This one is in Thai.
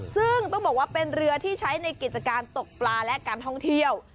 ซึ่งต้องบอกว่าเป็นเรือที่ใช้ในกิจการตกปลาและการท่องเที่ยว